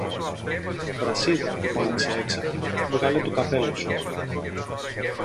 Βρασίδα, φώναξε έξαφνα, βγάλε το καπέλο σου!